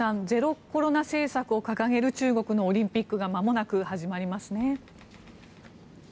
ゼロコロナ政策を掲げる中国のオリンピックがまもなく始まりますね。